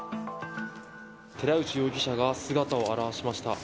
寺内容疑者が姿を現しました。